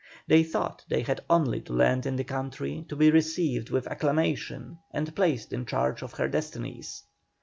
They thought they had only to land in the country to be received with acclamation and placed in charge of her destinies.